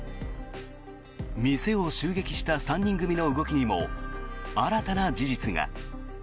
店を襲撃した３人組の動きにも新たな事実が。